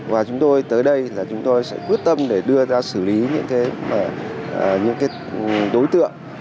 và chúng tôi tới đây là chúng tôi sẽ quyết tâm để đưa ra xử lý những đối tượng